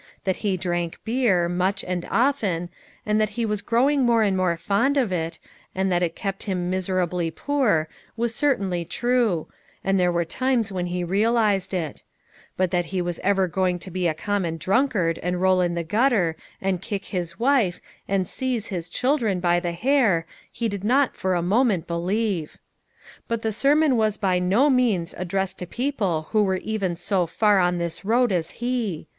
That he drank beer, much, and often, and that he was growing more and more fond of it, and that it kept him miserably poor, was certainly true, and there were times when he realized it; but that he was ever going to be a common drunk ard and roll in the gutter, and kick his wife, and seize his children by the hair, he did not for a moment believe. But the sermon was by no means addressed to people who were even so far on this road as he.